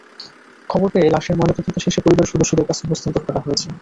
খবর পেয়ে লাশের ময়নাতদন্ত শেষে পরিবারের সদস্যদের কাছে হস্তান্তর করা হয়েছে।